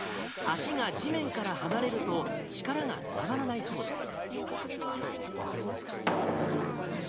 足が地面から離れると、力が伝わらないそうです。